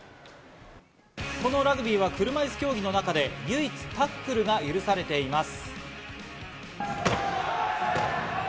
このラグビーは車いす競技の中で唯一、タックルが許されています。